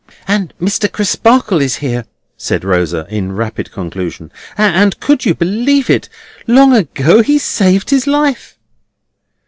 "And Mr. Crisparkle is here," said Rosa, in rapid conclusion; "and, could you believe it? long ago he saved his life!"